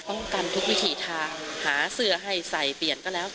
กันทุกวิถีทางหาเสื้อให้ใส่เปลี่ยนก็แล้ว